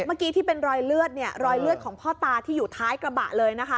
เมื่อกี้ที่เป็นรอยเลือดเนี่ยรอยเลือดของพ่อตาที่อยู่ท้ายกระบะเลยนะคะ